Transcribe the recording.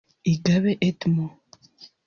Igabe Edmond